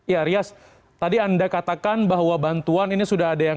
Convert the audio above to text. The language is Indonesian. ya rias tadi anda katakan bahwa bantuan ini sudah ada yang